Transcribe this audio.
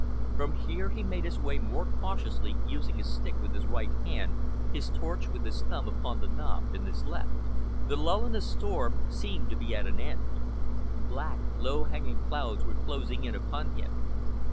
From here he made his way more cautiously, using his stick with his right hand, his torch, with his thumb upon the knob, in his left. The lull in the storm seemed to be at an end. Black, low hanging clouds were closing in upon him.